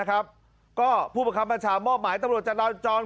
ก็ผู้ประคับประชาบ่อหมายตำรวจจัดลาจร